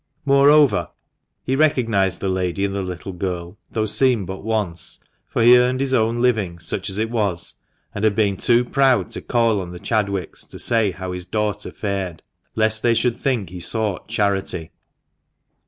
Moreover, he recognised the lady and the little girl, though seen but once; for he earned his own living, such as it was, and had been too proud to call on the Chadwicks to say how his daughter fared, lest they should think he sought charity.